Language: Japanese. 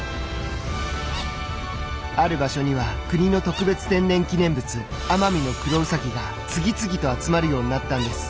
ある場所には国の特別天然記念物アマミノクロウサギが次々と集まるようになったんです。